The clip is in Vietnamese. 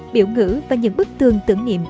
biểu ngữ và những bức tường tưởng nghiệm